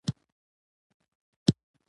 قومي شخړې د قانون له لارې حل کیږي.